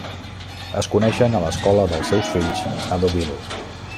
Es coneixen a l'escola dels seus fills a Deauville.